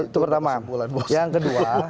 itu pertama yang kedua